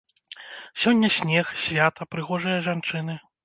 Сёння снег, свята, прыгожыя жанчыны.